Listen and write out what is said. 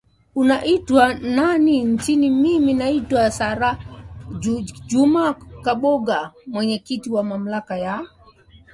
unaitwa nani nchini mimi naitwa siraju juma kaboyonga mwenyekiti wa mamlaka ya uthibiti